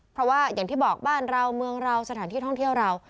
เพราะว่าอย่างที่บอกบ้านเราเมืองเราสถานที่ท่องเที่ยวเรา